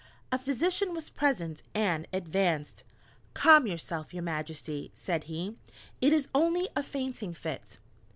A physician was present and advanced. "Calm yourself, your Majesty," said he, "It is only a fainting fit."